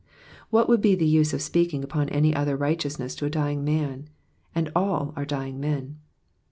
What would be the use of speaking upon any other righteousness to a dying man ? and all are dying men.